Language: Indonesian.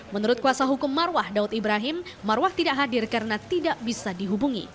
menurut kuasa hukum marwah daud ibrahim marwah tidak hadir karena tidak bisa dihubungi